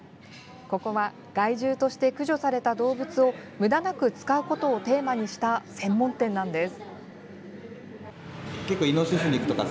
ここは害獣として駆除された動物をむだなく使うことをテーマにした専門店なんです。